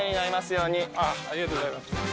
ありがとうございます。